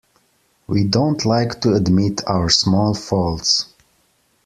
We don't like to admit our small faults.